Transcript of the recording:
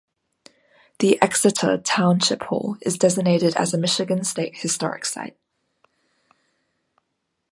The Exeter Township Hall is designated as a Michigan State Historic Site.